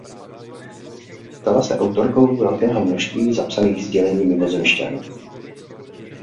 Stala se autorkou velkého množství zapsaných sdělení mimozemšťanů.